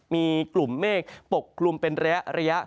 มีกลุ่มเมฆปกลุ่มเป็นระยะระยะ